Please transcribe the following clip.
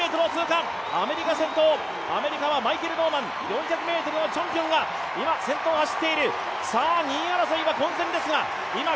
アメリカ先頭、アメリカはマイケル・ノーマン、４００ｍのチャンピオンが先頭を走っている。